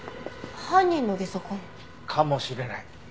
犯人のゲソ痕？かもしれない。